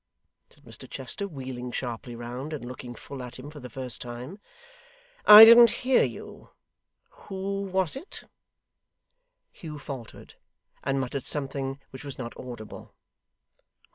said Mr Chester, wheeling sharply round, and looking full at him for the first time. 'I didn't hear you. Who was it?' Hugh faltered, and muttered something which was not audible.